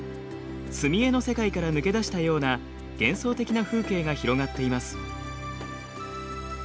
墨絵の世界から抜け出したような幻想的な風景が広がっています。